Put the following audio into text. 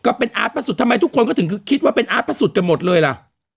ก็เป็นอาร์ตพระสุทธิทำไมทุกคนก็ถึงคิดว่าเป็นอาร์ตพระสุทธิ์กันหมดเลยล่ะ